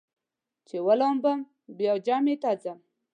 چې ولامبم بیا جمعې ته ځم.